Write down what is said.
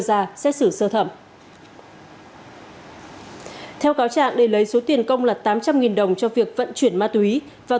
ra xét xử sơ thẩm theo cáo trạng để lấy số tiền công là tám trăm linh đồng cho việc vận chuyển ma túy và